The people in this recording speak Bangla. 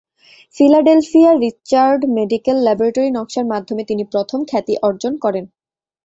ফিলাডেলফিয়ার রিচার্ড মেডিকেল ল্যাবরেটরি নকশার মাধ্যমে তিনি প্রথম খ্যাতি অর্জন করেন।